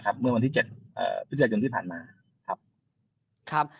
ครับเมื่อวันที่เสียคชุมที่ผลันมาครับ